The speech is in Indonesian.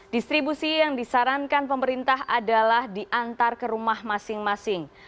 distribusi yang disarankan pemerintah adalah diantar ke rumah masing masing